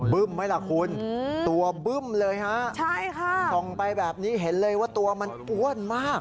ไหมล่ะคุณตัวบึ้มเลยฮะใช่ค่ะส่องไปแบบนี้เห็นเลยว่าตัวมันอ้วนมาก